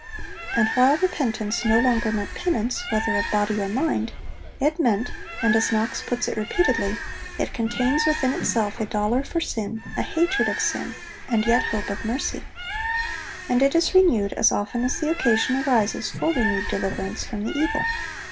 And while repentance no longer meant penance, whether of body or mind, it meant and as Knox puts it repeatedly 'it contains within itself a dolour for sin, a hatred of sin, and yet hope of mercy'; and it is renewed as often as the occasion arises for renewed deliverance from the evil.